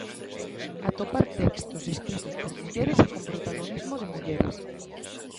Atopar textos escritos por mulleres e con protagonismo de mulleres.